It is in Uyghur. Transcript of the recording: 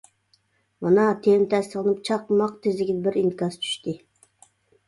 مانا. تېما تەستىقلىنىپ چاقماق تېزلىكىدە بىر ئىنكاس چۈشتى.